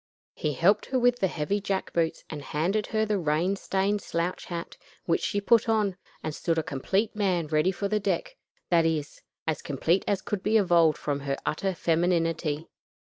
He helped her with the heavy jack boots and handed her the rain stained slouch hat which she put on, and stood a complete man ready for the deck that is, as complete as could be evolved from her utter femininity.